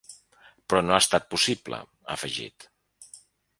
Però no ha estat possible –ha afegit–.